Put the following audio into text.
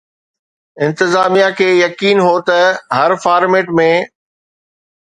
انتظاميا کي يقين هو ته هر فارميٽ ۾